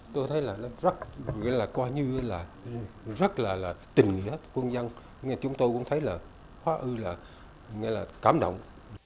tôi thấy là rất là tình nghĩa quân dân chúng tôi cũng thấy là hóa ư là cảm động